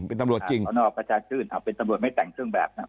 เป็นตำรวจจริงสนประชาชื่นเป็นตำรวจไม่แต่งเครื่องแบบนะครับ